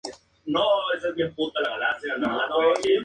Su procedencia antes de El Cairo no se conoce.